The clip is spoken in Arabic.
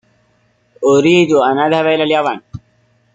أريد أن أذهب إلى اليابان.